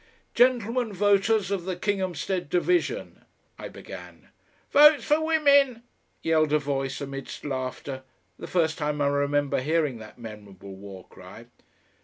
"Gentlemen voters of the Kinghamstead Division," I began. "Votes for Women!" yelled a voice, amidst laughter the first time I remember hearing that memorable war cry.